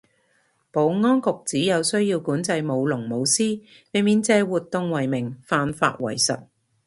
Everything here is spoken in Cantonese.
保安局指有需要管制舞龍舞獅，避免借活動為名犯法為實